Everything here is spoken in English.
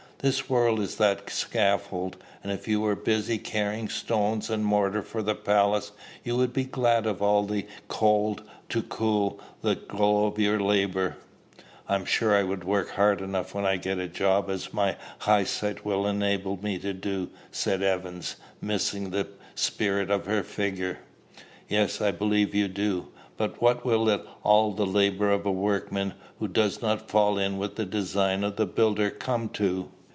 This World is that scaffold; and if you were busy carrying stones and mortar for the palace, you would be glad of all the cold to cool the glow of your labor." "I'm sure I work hard enough when I get a job as my heyesight will enable me to do," said Evans, missing the spirit of her figure. "Yes: I believe you do. But what will all the labor of a workman who does not fall in with the design of the builder come to?